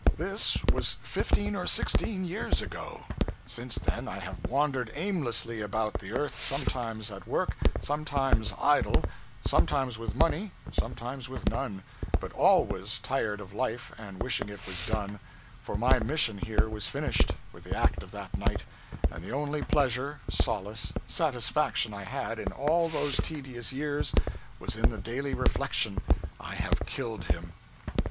This was fifteen or sixteen years ago. Since then I have wandered aimlessly about the earth, sometimes at work, sometimes idle; sometimes with money, sometimes with none; but always tired of life, and wishing it was done, for my mission here was finished, with the act of that night; and the only pleasure, solace, satisfaction I had, in all those tedious years, was in the daily reflection, 'I have killed him!'